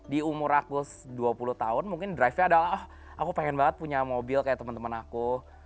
di umur aku dua puluh tahun mungkin drive nya adalah oh aku pengen banget punya mobil kayak temen temen aku